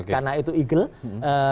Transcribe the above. karena itu eagle